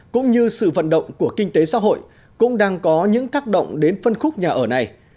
cũng như sự vận động của kinh tế xã hội cũng đang có những tác động đến phân khúc nhà ở này